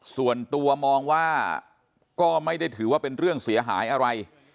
ส่วนตัวมองว่าก็ไม่ได้ถือว่าเป็นเรื่องเสียหายอะไร